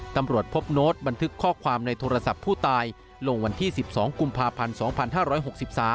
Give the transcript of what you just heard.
ตำรวจพบโน้ตบันทึกข้อความในโทรศัพท์ผู้ตายลงวันที่๑๒กุมภาพันธ์๒๕๖๓